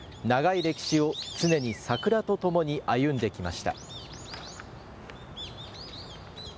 長い歴史を常に桜とともに歩んできました。